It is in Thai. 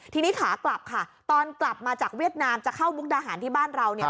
ทีนี้ขากลับค่ะตอนกลับมาจากเวียดนามจะเข้ามุกดาหารที่บ้านเรา